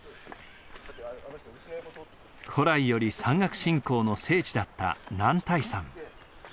古来より山岳信仰の聖地だった男体山。